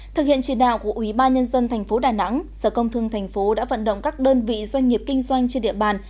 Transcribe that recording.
thực hiện trị đạo của ubnd tp đà nẵng sở công thương tp đã vận động các đơn vị doanh nghiệp kinh doanh trên địa bàn